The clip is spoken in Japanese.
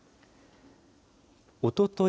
おととい